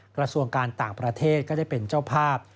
กระทรวงการต่างประเทศก็ได้เป็นเจ้าภาพ